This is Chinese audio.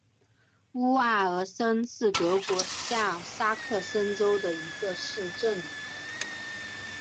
乌埃尔森是德国下萨克森州的一个市镇。